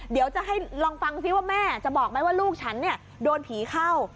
เดี๋ยวจะให้ลองฟังซิว่าแม่จะบอกไหมว่าลูกฉันโดนผีเข้า